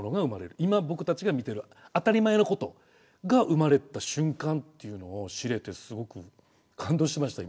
今僕たちが見てる当たり前のことが生まれた瞬間っていうのを知れてすごく感動しました今。